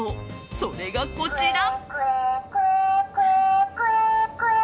それがこちら。